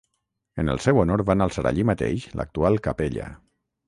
En el seu honor van alçar allí mateix l'actual capella.